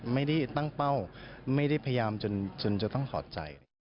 ไม่ได้ตั้งเป้าไม่ได้พยายามจนจะต้องถอดใจ